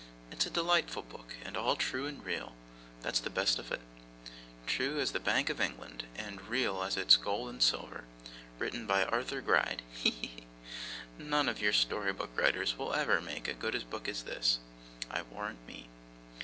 It's a delightful book, and all true and real that's the best of it true as the Bank of England, and real as its gold and silver. Written by Arthur Gride. He, he, he! None of your storybook writers will ever make as good a book as this, I warrant me.